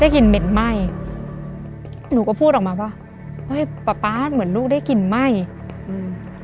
กลิ่นเหม็นไหม้หนูก็พูดออกมาว่าเฮ้ยป๊าป๊าเหมือนลูกได้กลิ่นไหม้อืม